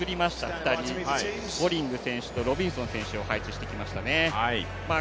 ２人ボリング選手とロビンソン選手を配置してきましたね。